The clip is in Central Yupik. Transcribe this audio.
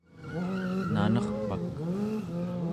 nanerpak